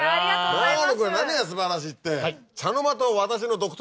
長野君は何が素晴らしいって。